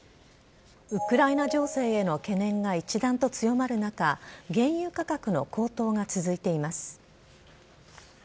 ウクライナ情勢への懸念が一段と強まる中、原油価格の高騰が続いています。